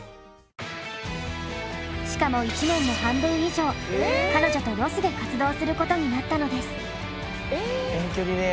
しかも１年の半分以上彼女とロスで活動することになったのです。